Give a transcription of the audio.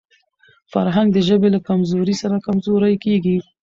فرهنګ د ژبي له کمزورۍ سره کمزورې کېږي.